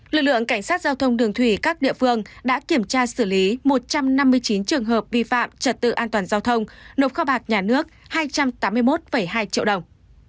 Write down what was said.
lực lượng cảnh sát giao thông đường thủy các địa phương đã kiểm tra xử lý một trăm năm mươi chín trường hợp vi phạm trật tự an toàn giao thông nộp kho bạc nhà nước hai trăm tám mươi một hai triệu đồng